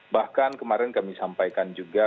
bahkan kemarin kami sampaikan juga